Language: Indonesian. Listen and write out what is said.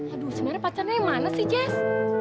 aduh sebenarnya pacarannya yang mana sih jess